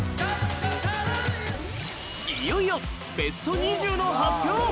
いよいよＢｅｓｔ２０の発表